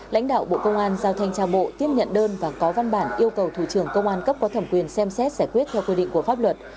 lãnh đạo bộ công an giao thanh trao bộ tiếp nhận đơn và có văn bản yêu cầu thủ trưởng công an cấp có thẩm quyền xem xét giải quyết theo quy định của pháp luật